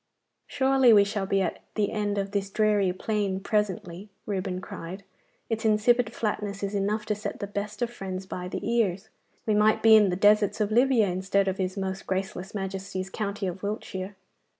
'Surely we shall be at the end of this dreary plain presently,' Reuben cried. 'Its insipid flatness is enough to set the best of friends by the ears. We might be in the deserts of Libya instead of his most graceless Majesty's county of Wiltshire.